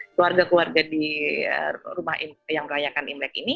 keluarga keluarga di rumah yang merayakan imlek ini